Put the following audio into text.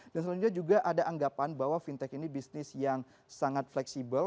dan selanjutnya juga ada anggapan bahwa fintech ini bisnis yang sangat fleksibel